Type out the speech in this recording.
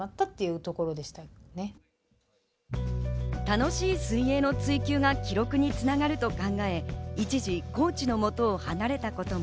楽しい水泳の追求が記録につながると考え、一時コーチのもとを離れたことも。